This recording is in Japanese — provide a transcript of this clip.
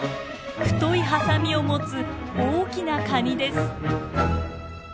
太いハサミを持つ大きなカニです。